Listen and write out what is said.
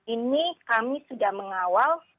ini kami sudah mengawal